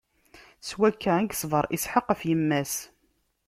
S wakka i yeṣber Isḥaq ɣef yemma-s.